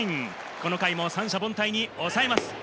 この回も三者凡退に抑えます。